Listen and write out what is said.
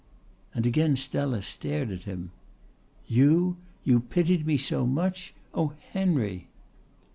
And again Stella stared at him. "You? You pitied me so much? Oh, Henry!"